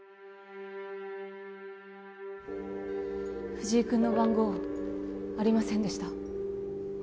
藤井君の番号ありませんでした